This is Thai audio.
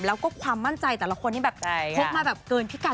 แล้วก็ความมั่นใจแต่ละคนที่แบบพกมาแบบเกินพิกัด